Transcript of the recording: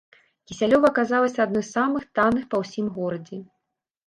Кісялёва аказалася адной з самых танных па ўсім горадзе.